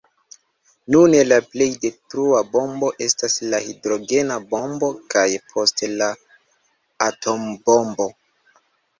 Nune la plej detrua bombo estas la hidrogena bombo kaj poste la atombombo.